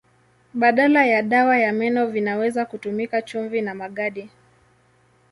Badala ya dawa ya meno vinaweza kutumika chumvi na magadi.